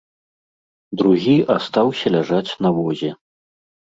Другі астаўся ляжаць на возе.